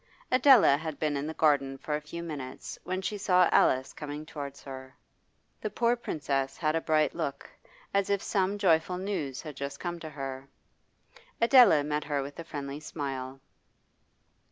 Adela had been in the garden for a few minutes when she saw Alice coming towards her. The poor Princess had a bright look, as if some joyful news had just come to her. Adela met her with a friendly smile.